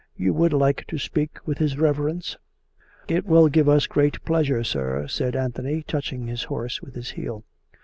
You would like to speak with his reverence ?"" It will give us great pleasure, sir," said Anthony, touching his horse with his heel.